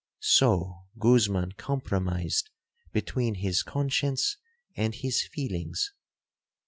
So Guzman compromised between his conscience and his feelings.